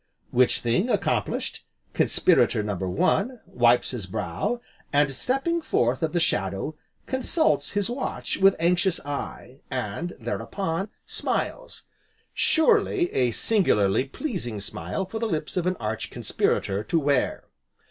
Which thing accomplished, Conspirator No. One wipes his brow, and stepping forth of the shadow, consults his watch with anxious eye, and, thereupon, smiles, surely a singularly pleasing smile for the lips of an arch conspirator to wear.